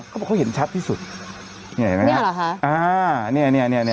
เขาบอกเขาเห็นชัดที่สุดนี่เห็นไหมนี่หรอค่ะอ่านี่นี่นี่นี่